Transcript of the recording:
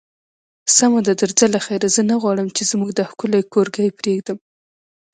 سمه ده، درځه له خیره، زه نه غواړم چې زموږ دا ښکلی کورګی پرېږدم.